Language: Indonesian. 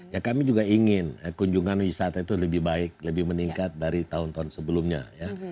ya kami juga ingin kunjungan wisata itu lebih baik lebih meningkat dari tahun tahun sebelumnya ya